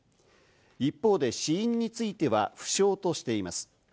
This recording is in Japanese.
一方で、死因については不詳としています。